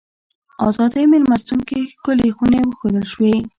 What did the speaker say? ازادۍ مېلمستون کې ښکلې خونې وښودل شوې.